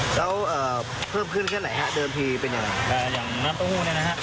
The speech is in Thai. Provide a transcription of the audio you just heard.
แล้วเพิ่มขึ้นแค่ไหนฮะเดิมทีเป็นยังไงอย่างน้ำเต้าหู้เนี่ยนะฮะ